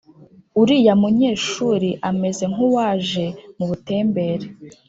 uriya munyeshuri ameze nkuwaje mu butember